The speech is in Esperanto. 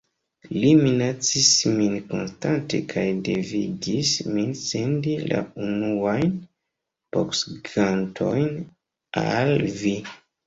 Li minacis min konstante kaj devigis min sendi la unuajn boksgantojn al vi.